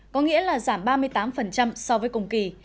có nghĩa là giảm ba mươi tám so với cùng kỳ